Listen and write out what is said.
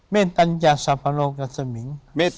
เมตัญเกาสัปโพรกัฎศมิง